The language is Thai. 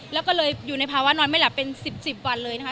แล้วก็เลยอยู่ในภาวะนอนไม่หลับเป็น๑๐๑๐วันเลยนะคะ